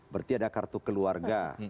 berarti ada kartu keluarga